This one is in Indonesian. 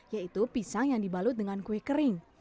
yaitu pisang yang dibalut dengan kue kering